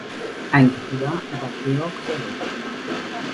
Ein Bruder war Georg Sello.